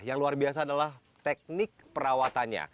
yang luar biasa adalah teknik perawatannya